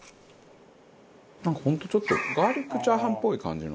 なんか本当ちょっとガーリックチャーハンっぽい感じの。